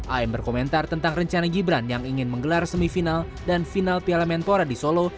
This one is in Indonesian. am berkomentar tentang rencana gibran yang ingin menggelar semifinal dan final piala menpora di solo